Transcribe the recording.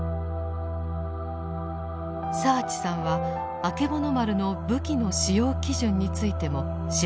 澤地さんはあけぼの丸の武器の使用基準についても調べています。